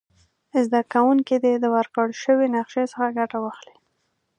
زده کوونکي دې د ورکړ شوې نقشي څخه ګټه واخلي.